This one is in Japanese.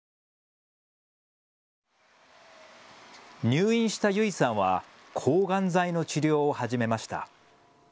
入院した優生さんは抗がん剤の治療を始めました。